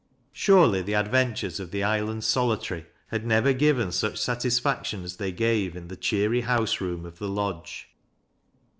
Surely the adventures of the island solitary had nevei given such satisfaction as they gave in the cheerv house 180 THAT LASS 0' L0WBIS!'8. room of the lodge.